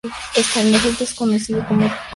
Este efecto es conocido como contorno "subjetivo".